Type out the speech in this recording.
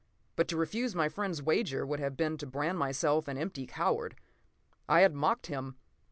But to refuse my friend's wager would have been to brand myself an empty coward. I had mocked him.